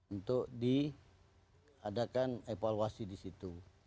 untuk diadakan evaluasi di situ